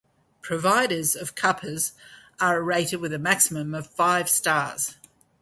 Providers of cuppas are rated with a maximum of five stars.